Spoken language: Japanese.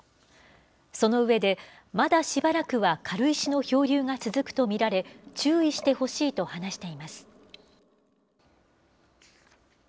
その上で、まだしばらくは軽石の漂流が続くと見られ、注意してほしいと話しています。